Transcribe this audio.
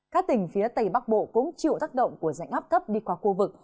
các tỉnh phía tây bắc bộ cũng chịu tác động của dạnh áp thấp đi qua khu vực